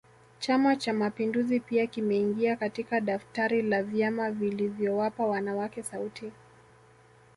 Chama Cha mapinduzi pia kimeingia katika daftari la vyama vilivyowapa wanawake sauti